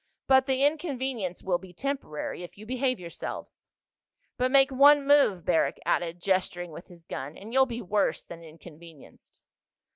But the inconvenience will be temporary if you behave yourselves." "But make one move," Barrack added, gesturing with his gun, "and you'll be worse than inconvenienced."